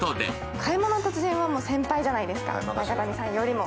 「買い物の達人」は先輩じゃないですか、中谷さんよりも。